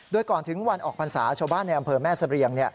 โดยก่อนถึงวันออกพรรษาชาวบ้านในอำเภอแม่เสรียง